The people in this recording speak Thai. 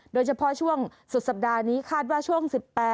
โดยเฉพาะช่วงสุดสัปดาห์นี้คาดว่าช่วง๑๘